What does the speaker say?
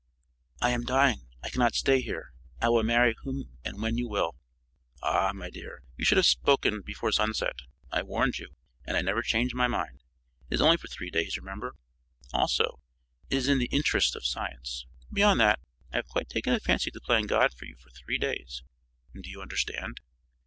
"I am dying; I cannot stay here; I will marry whom and when you will." "Ah, my dear, you should have spoken before sunset. I warned you, and I never change my mind. It is only for three days, remember. Also, it is in the interest of science. Beyond that, I have quite taken a fancy to playing God for you for three days. Do you understand?"